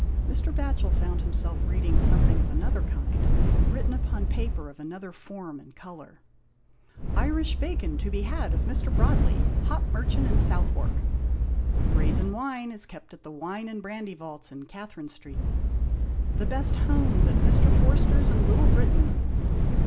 Mr, Batohel found him self reading something of another kind, written upon paper of another form and colour. " Irish bacon to be had of Mr. Broadley, hop merchant in Southwark." "Rasin wine is kept at the Wine and Brandy vaults in Catherine Street." " The best hones at Mr. Forsters in Little Britain."